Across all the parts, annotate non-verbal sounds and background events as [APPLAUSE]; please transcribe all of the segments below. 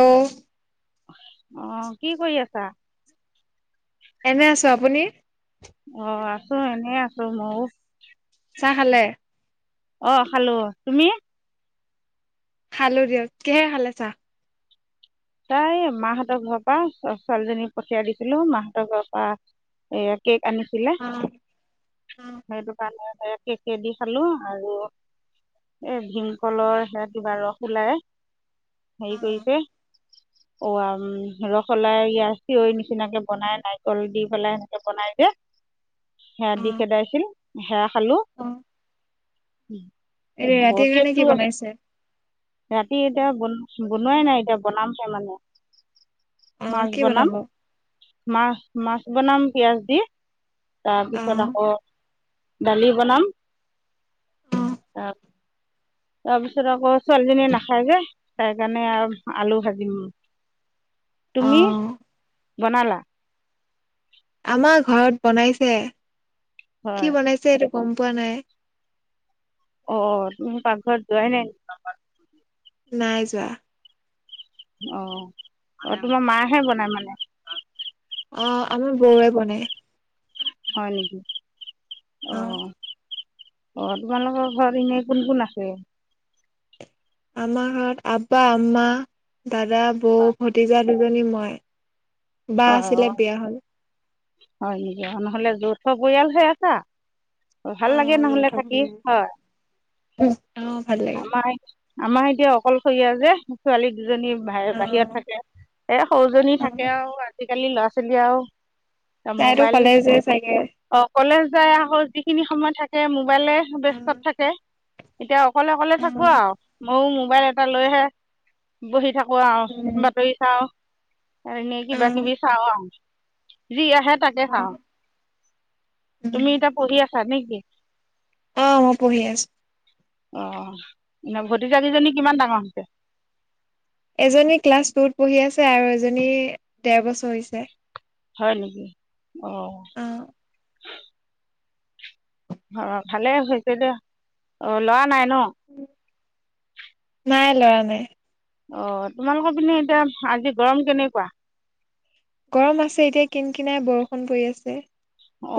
অ অ কি কৰি আছা? এনে আছো আপুনি। অ আছো এনে আছো ময়ো। চাহ খালে অ খালো। তুমি খালো দিয়ক। কিহে খালে চা? তাই মাহঁতৰ ঘৰৰ পৰা ছো ছোৱালীজনী পঠিয়াই দিছিলো মাহঁতৰ ঘৰৰ পৰা এয়া কেক আনিছিলে সেইটো কাৰণে এ কেকেদি খালো আৰু এ ভীমকলৰ সে ৰস ওলাই সেই কৰিছে অ আম ৰস ওলাই ই চেয়ৈৰ নিচিনাকে বনাই নাৰিকল দি পেলাই সেনেকে বনাই যে সেয়া দি খেদাইছিল সেয়া খালো উম এ ৰাতিৰ কাৰণে কি বনাইছে? ৰাতি এতিয়া বন বনোৱাই নাই এতিয়া বনাম হে মানে। অ মাছ কি বনাম বনাব মাছ মাছ বনাম পিয়াজ দি অ তাৰপিছত আকৌ দালি বনাম তাৰপিছত আকৌ ছোৱালীজনীয়ে নাখায় যে তাই কাৰণে আৰু আলু ভাজিম। অ তুমি বনালা? আমাৰ ঘৰত বনাইছে। কি হয় বনাইছে গম পোৱা নাই। অ তুমি পাকঘৰত যোৱাই নাই নাই যোৱা অ অ তোমাৰ মাইহে বনাই মানে অ আমাৰ বৌৱে বনাই হয় নেকি অ অহ অ তোমালোকৰ ঘৰত এনে কোন কোন আছে? আমাৰ ঘৰত আব্বা আম্মা দাদা, বৌ, ভতিজা দুজনী মই। বা হয় হয়, আছিলে বিয়া হল অ হয় নেকি, নহ'লে য'ত থ পৰিয়াল হৈ আছা। ভাল অ লাগে নহ'লে যৌথ থাকি পৰিয়াল হয়। অ ভাল লাগে আমাৰ আমাৰ এতিয়া অকলশৰীয়া যে, ছোৱালী দুজনী বা বাহিৰত থাকে, এ সৰুজনী অ থাকে আৰু আজিকালি ল'ৰা ছোৱালীয়ে আও তাইটো কলেজে যায়গে। [UNINTELLIGIBLE] যিখিনি সময় থাকে, মোক মোবাইলে উম ব্যস্তত থাকে। এতিয়া অকলে- অকলে থাকোঁ‌ উম আৰু। ময়ো মোবাইল এটা লৈহে, বহি থাকো। কোৱা আৰু উম বাতৰি চাওঁ। [UNINTELLIGIBLE] টিভি চাওঁ আৰু। যি আহে তাকে চাওঁ, উম। তুমি এতিয়া পঢ়ি আছ [UNINTELLIGIBLE] অ', মই পঢ়ি আছোঁ। অ', এনে ভতিজা দুজনী কিমান ডাঙৰ হৈছে। এজনী ক্লাছ টুত পঢ়ি আছে আৰু এজনী দেৰ বছৰ হৈছে। হয় নেকি। অ' অ' ভালে হৈছে দে, অ' ল'ৰা নাই। ন। নাই ল'ৰা নাই। অ' তোমালোকৰ পিনে এতিয়া আজি গৰম কেনেকুৱা। গৰম আছে। এতিয়া কিন কিনাই বৰষুণ পৰি আছে।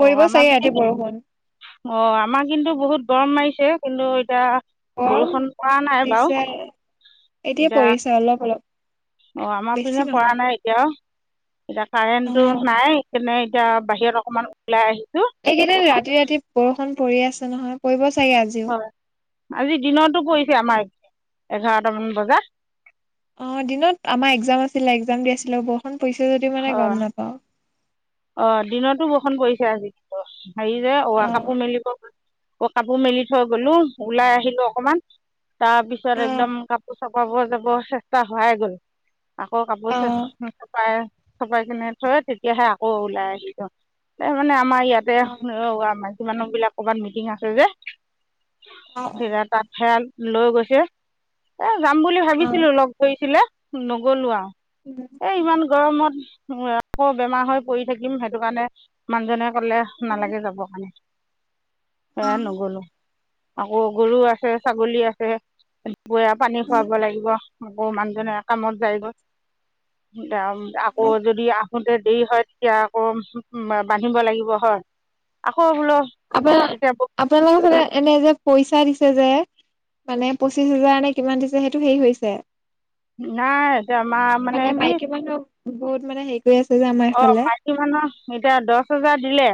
অ', আমাৰ চাগে ৰাতি পিনে কি, বৰষুণ অ' আমাৰ কিন্তু বহুত গৰম মাৰি। ছে, কিন্তু এতিয়া অ' বৰষুণ পৰা নাই বাৰু দিছে এতিয়া পৰিছে, অলপ-অলপ। অ' আমাৰ পিনে পৰা নাই এতিয়াও। এতিয়া অ কাৰেণ্টটো নাই সেইকাৰনে এতিয়া বাহিৰত অকমান ওলাই আহি। এইকেইদিন ৰাতি ৰাতি বৰষুণ। পৰি আছে নহয় পৰিব। চাগে আজিও হয় আজি দিনতো কৰিছে আমাৰ এঘাৰটামান বজাত। অহ, দিনত আমাৰ এক্সাম আছিলে এক্সাম দি আছিলে বৰষুণ পৰিছে যদি মানে গম নাপাওঁ। অ' দিনতো বৰষুন পৰিছে আজি। হেৰি যে অ' আ কাপোৰ মেলিব গল অহ, আকৌ কাপোৰ মেলি থৈ গলো ওলাই আহিলো অকমান তাৰ পিছত একদম কাপোৰ চপাব যাব চেষ্টা হোৱাই গ'ল আকৌ কাপোৰ চপাই- চপাই কিনে থৈ তেতিয়াহে আও আকৌ ওলাই আহিলো এ' মানে আমাৰ ইয়াতে অ' আমাৰ মানুহ বিলাক ক'বাত মিটিং আছে যে বিৰাটা খেল। লৈ গৈছে, এ' যাম বুলি ভাবিছিলো লগ ধৰিছিলে নগলো আও। এ 'ইমান গৰমত উহ, আকৌ বেমাৰ হৈ পৰি থাকিম সেইটো কাৰণে মানুহজনে কলে উম, নালাগে যাব কাৰনে। এ 'নগলো আকৌ গৰু আছে, ছাগলী আছে বৈয়া পানী উম। খোৱাব লাগিব। আকৌ মানুহজনে কামত যায়গৈ। [UNINTELLIGIBLE] আকৌ যদি আহ। আহোতে দেৰি হয় এতিয়া আকৌ বান্ধিব লাগিব হয়। বোলো আপোন- তেতিয়া আপোনালোকৰ ফালে এনেই যে পইচা দিছে যে মানে পঁচিশ হোজাৰ নে কিমান দিছে সেইটো হেৰি হৈছে? নাই এতিয়া আমাৰ মানে কি গোট মানে সেই অহ, মাইকী মানুহ এতিয়া দছহেজাৰ দিলে।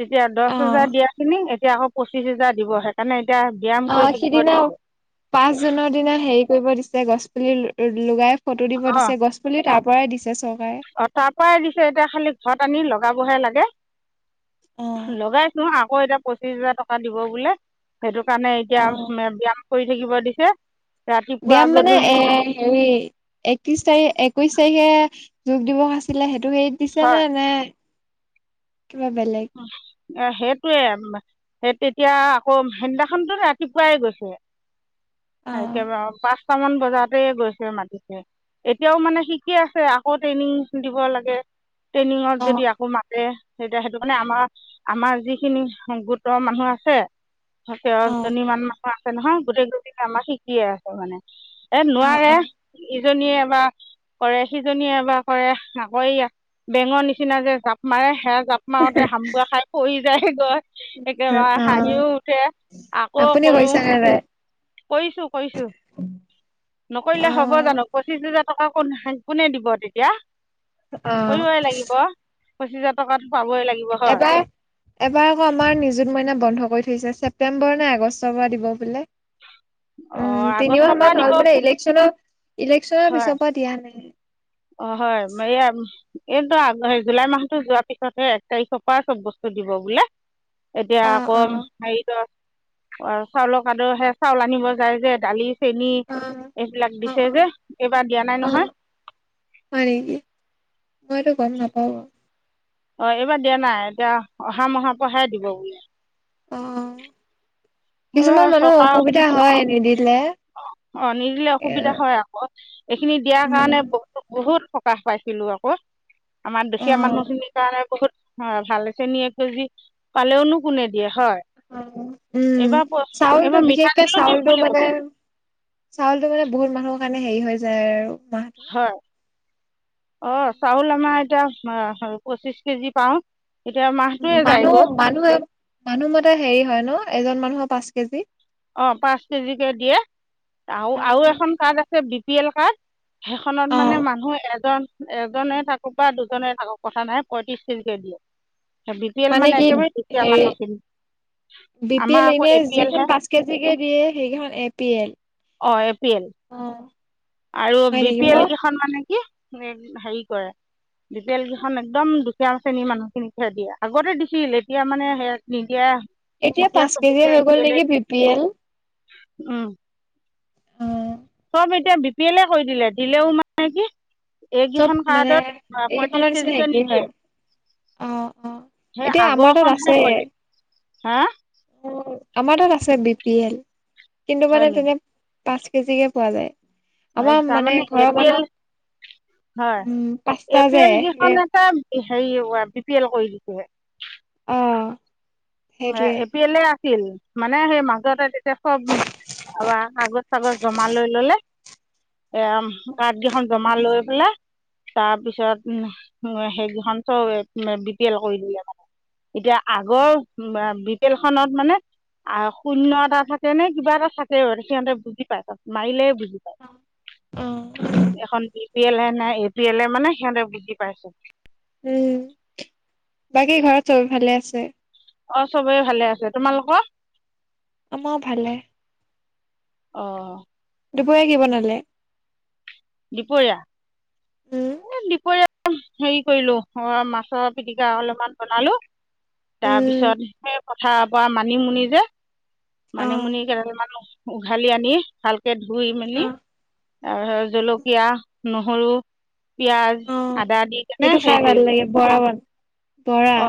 তেতিয়া দছ অ হেজাৰ দিয়াখিনিক এতিয়া আকৌ পঁচিছ হাজাৰ দিব সেইকাৰণে এতিয়া ব্যায়াম কৰি অহ থাকিব সিদিনা দিছে পাঁচ জুনৰ দিনা হেৰি কৰিব দিছে গছ পুলি লগাই। ফটো দিব দিছে গছ পুলি পৰাই দিছ অ তাৰ পৰাই দিছে এতিয়া খালি ঘৰত আনি লগা লগা বহে লাগে অ লগাই আছো আকৌ এতিয়া পঁচিশ হাজাৰ টকা দিব বোলে সেইটো কাৰণে এতিয়া উম ব্যয়াম চিয়াম কৰি থাকিব দিছে ৰাতিপুৱা ব্যয়ায়াম মানে এ গধূলি হেৰি একত্ৰিশ তাৰিখ একৈশ তাৰিখে যোগ দিৱস আছিলে সে ত সেইত দিছে হয় নে নে কিবা বেলেগ এ সেইটোৱে সেই তেতিয়া আকৌ সিদিনাখনতো ৰাতিপুৱাই গৈছে অ একেবাৰে পাঁচ টামান বজাতে গৈছে মাতিছে এতিয়াও মানে শিকি আছে আকৌ ট্ৰেইনিং দিব লাগে ট্ৰেইনিঙত অ যদি আকৌ মাতে সেইটিয়া সেইটোক মানে আমাৰ আমাৰ যিখিনি গোটৰ মানুহ আছে থাকে অ দহজনী মান মানুহ আছে নহয় গোটেই কিজনীয়ে আমাৰ শিকিয়ে আছে মানে এ অ নোৱাৰে অ ইজনীয়ে এবাৰ কৰে সিজনীয়ে এবাৰ কৰে আকৌ বেঙৰ নিচিনা যে জাপ মাৰে সেয়া মাওঁতে হাম গুৱা খাই পৰি যায় গৈ একেবাৰে অ হাঁহিও উঠে আকৌ আপুনি কৰো কৰিছে নে নাই কৰিছো কৰিছো নকৰিলে অ হব জানো পঁচিছ হাজাৰ টকা ক কোনে দিব তেতিয়া অ কৰিবই লাগিব পঁচিছ হাজাৰ টকাৰ এবাৰ এবাৰ আকৌ আমাৰ নিযুত মইনা বন্ধ থৈছে ছেপ্তেম্বৰ নাই আগষ্টৰ পৰা দিব বোলে উম অঁ আগষ্টৰ তিনিমাহ পৰা মান দিব হ'ল মানে ইলেকশনৰ ইলেকশ্যনৰ পিছৰ পৰা দিয়া নাই অ হয় মই এইটো জুলাই মাহতো যোৱাৰ পিছতহে এক তাৰিখৰ পৰা চব বস্তু দিব বোলে। এতিয়া অ আকৌ অ হেৰিত চাউলৰ কাদ সে চাউল আনিব যায় যে দালি চেনী অ এইবিলাক অ দিছে যে অ এইবাৰ দিয়া নাই অ নহয়। হয় নেকি। মই টো গম নাপাওঁ। [UNINTELLIGIBLE] অ এইবাৰ দিয়া নাই। এতিয়া অহা অহা মাহৰ পৰাহে দিব বোলে। আহ। কিছুমান মানুহৰ অসুবিধা হয়। কে ডি কেদিত অ অ নিদিলে অসুবিধা হয়। আকৌ এইখিনি দিয়াৰ উম কাৰণে বহ বহুত সকাহ পাইছিলো আকৌ। আমাৰ অ দুখীয়া মানুহখিনিৰ কাৰণে বহুত হয়। ভাল হৈছে নেকি এক কেজি পালেওনো কোনে দিয়ে। হয় অ উম। এইবাৰ চাউলটো এইবাৰ বিশেষকে মিঠাতেলো দিম চাউলটো বুলি মানে কৈছে চাউলতটো মানে বহুত মানুহৰ কাৰণে হেৰি হৈ যায় আৰু। মাহটো হয়। অ চাউল আমাৰ এতিয়া পঁচিশ কেজি পাওঁ। এতিয়া মাহটোৱে মানুহ যায়গৈ মানুহে মানুহ মতে হেৰি হয় ন? এজন মানুহৰ পাঁচ কেজি। অ পাঁচ কেজিকে দিয়ে আৰু আৰু এখন কাৰ্ড আছে বিয়েল কাৰ্ড। সেইখনত অ মানে মানুহ এজন এজনে থাকো বা দুজনেই থাকো কথা নাই পঁয়ত্ৰিশ কেজিকে দিয়ে। বি পি এল মানে একেবাৰে দুপ হেৰি মানুহখিনি। বি পি এল আমাৰ আকৌ এনে এ পি এল যিখন হে। পাঁচ কেজিকে দিয়ে সেইকেইখন এ পি এল। অঁ এ পি এল অ অ আৰু হয় বি নেকি পি এল মই কেইখন মানে কি হেৰি কৰে বি পি এল কেইখন একদম দুখীয়া শ্ৰেণীৰ মানুহ খিনিকহে দিয়ে। আগতে দিছিল এতিয়া মানে স নিদিয়াই এতিয়া পাঁচ কেজি হৈ গ'ল নেকি বি পি এল? হ চব এতিয়া বি পি এলে কৰি দিলে দিলেও মানে কি চব এইকেইখন মানে কাৰ্ডত পঁয়ত্ৰিছ এইখনৰ নিচিনা কেজিকে একেই হয়। নিদিয়ে অ অ। সেই এতিয়া আমাৰ তাত আগৰখনহে আছে। পঁয়ত্ৰিছ হা আমাৰ তাত আছে বি বিয়েৰ। কিন্তু হয় মানে নেকি তেনে পাঁচ কেজিকে পোৱা যায়। আমাৰ মানে তাৰমানে এ ঘৰৰ পি এল মানুহক হয় উম এ পাঁচটা পি যে এল কেইখন সেই এটা--্। হেৰি বি পি এল কৰি দিছে। অহ। এ পি এলে এ আছিল। মানে সেই মাজতে। চব আ আগত চাগত জমা লৈ ললে। এ কাৰ্ড কেইখন জমা লৈ পেলাই তাৰপিছত সেইকেইখন চব বি পি এল কৰি দিলে মানে--্ এতিয়া আগৰ। বি পি এল খনত মানে আহ শূন্য এটা থাকে নে কিবা এটা থাকে সিহঁতে বুজি পায় মাৰিলে বুজি পায়। উম। এখন বি পি এল হে নে এ পি এল এ মানে সিহঁতে বুজি পাই। উম বাকী ঘৰত চব ভালে আছে? অ চবেই ভালে আছে তোমালোকৰ? আমাৰ ভালে। অহ। দুপৰীয়া কি বনালে। দুপৰীয়া উম দুপৰীয়া। হেৰি কৰিলো, মাছৰ পিটিকা অলপমান বনালো উম তাৰপিছত সেই পথাৰৰ পৰা মানিমুনি যে অ মানিমুনি কেইটালমান উঘালি আনি ভাল। এ ধুই অ মেলি। আৰু জলকীয়া। তিয়হ, নহৰু, পিয়াজঁ। অ সেইটো খাই ভাল লাগে, পুৰা ভাল। অ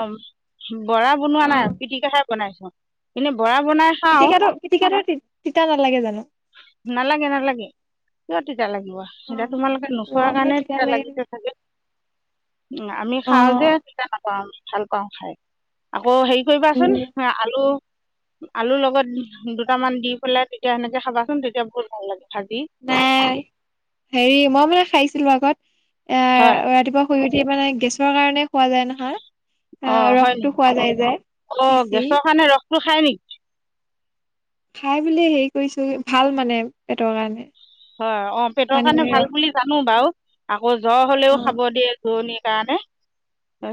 বৰা বনোৱা অ নাই, পিটিকা খাই বনাইছো এনে। বৰা বনাই খাও, পিটিকাটো পিটিকাটো তিতা নালাগে জানো নালাগে নালাগে। কি? তিতা লাগিব, অ এতিয়া তোমালোকে মই নোখোৱা বোলো কাৰণে তিতা লাগে নেকি লাগিছে চাগে, উন আমি অ খাও যে তিতা ন--্ ভাল পাওঁ খাই, আ। অ, হেৰি কৰিবাচোন উম আলু। আলু লগত দুটামান দি পেলাই তেতিয়া সেনেকে খাবাচোন তেতিয়া বহুত ভাল লাগে। ভাজি নাই, হেৰি মই মানে খাইছিলো আগত এ হয় ৰাতিপুৱা শুই। এয়া মানে গেছৰ কাৰণে। খোৱা যায় নহয়, অঁ আহ হয় ৰসটো নেকি খোৱা যায় যায়, পিচি। ৰ খায় নিক। খাই ব হেৰি কৰিছো ভাল মানে পেটৰ কাৰণে। হয় অ' পেটৰ কাৰণে মানিমুনি ভাল ৰস বুলি জানো বাৰু। আকৌ জ্বৰ অ হলেও খাব দিয়ে জূুৰণি। কাৰানে।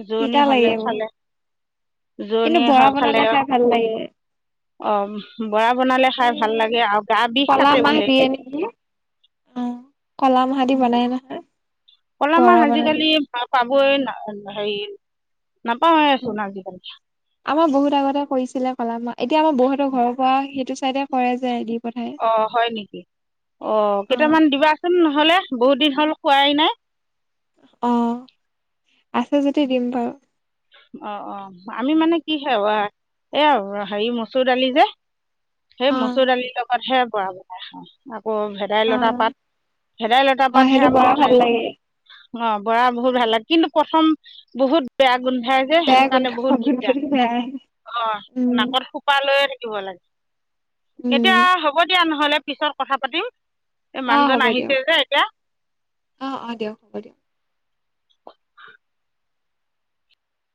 জোৰণি তিতা লাগে হলেও বহুত খালে, কিন্তু জোৰণীয়ে বৰা হয় খালে, বনালে খাই ভাল লাগে অ' বৰা বনালে খাই ভাল এই লাগে আৰু গা বিষ কলা কাটে মাহ বোলে। দিয়ে নেকি অ' কল মাহদি বনাই নহয়। কলা বৰা মাহ বনাই আজিকালি পাবই ন হেৰি। নাপাওঁৱেচোন আজিকালি আমাৰ বহুত আগতে কৰিছিলে। পাল। এতিয়া আমাৰ বৌহতঁ‌ৰ পৰা সেইটো। কৰাই যায় দিপ। অ' হয় নেকি? অ' কেইটামান দিবাচোন নহয়। হ'লে বহুত দিন হ'ল খোৱাই নাই। অ', আছে যদি দিম বাৰু। অ', অ' আমি মানে কি হয়ে, এয়া হেৰি মচুৰ দালি যে, সেই অ মচুৰ দালিৰ লগতহে বৰা বনাই খা। অ' ভেদাইলতা অ', পাত ভেদাইলতা পাত, সেইটো সেয়া বৰ মোৰ ভাল খাই লাগে অ' বৰা বহুত ভাল লাগে কিন্তু প্ৰথম। বহুত বেয়া। গোন্ধাই যে বেয়া সেইটো গোন্ধ কাৰণে বহুত গোন্ধটো দিগদাৰ, বেয়াই অ' উম নাকত সোপা লৈয়ে থাকিব লাগে। এতিয়া হ'ব দিয়া নহ'লে। পিছত কথা পাতিম। এই আহ মানুহজন হ'ব আহিছে দিয়ক, যে এতিয়া অ' অ' দিয়ক হ'ব দিয়ক।